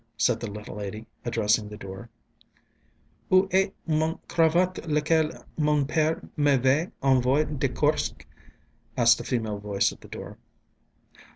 said the little lady, addressing the door. "Où est mon cravatte lequel mon père m'avait envoyé de Koursk?" asked a female voice at the door.